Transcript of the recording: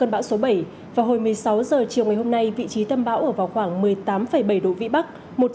cơn bão số bảy vào hồi một mươi sáu h chiều ngày hôm nay vị trí tâm bão ở vào khoảng một mươi tám bảy độ vĩ bắc